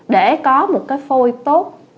để có một cái phôi tốt